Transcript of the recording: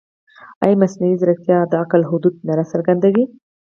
ایا مصنوعي ځیرکتیا د عقل حدود نه راڅرګندوي؟